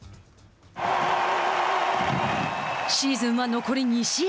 シーズンは残り２試合。